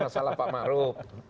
masalah pak ma'ruf